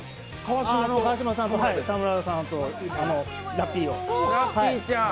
川島さんと田村さんとラッピーが。